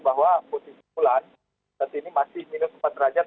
bahwa posisi bulan saat ini masih minus empat derajat